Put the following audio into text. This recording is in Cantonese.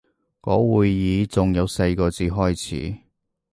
個會議仲有四個字開始